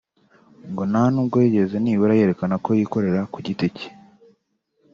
ngo nta nubwo yigeze nibura yerekana ko yikorera kugiti ke